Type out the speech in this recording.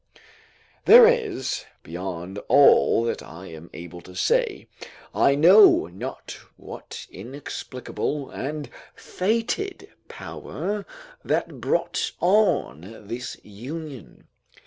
There is, beyond all that I am able to say, I know not what inexplicable and fated power that brought on this union.